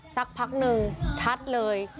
สักพักหนึ่งชัดเลย